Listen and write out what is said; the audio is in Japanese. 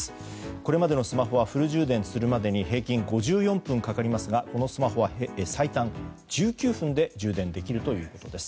これまでのスマホはフル充電するまでに平均５４分かかりますがこのスマホは最短１９分で充電できるということです。